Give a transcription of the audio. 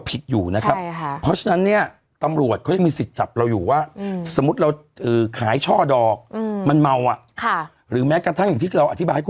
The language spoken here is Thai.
ผิดกฎหมายครับ